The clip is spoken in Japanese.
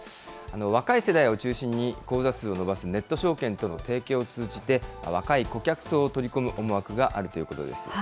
若い世代を中心に、口座数を伸ばすネット証券との提携を通じて、若い顧客層を取り込む思惑があるということです。